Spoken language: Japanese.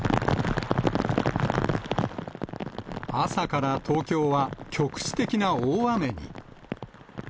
朝から東京は局地的な大雨に。